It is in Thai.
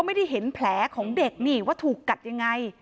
ไม่ได้เห็นแผลของเด็กนี่ว่าถูกกัดยังไง